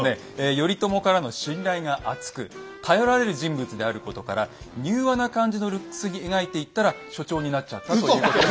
頼朝からの信頼が厚く頼られる人物であることから柔和な感じのルックスに描いていったら所長になっちゃったということで。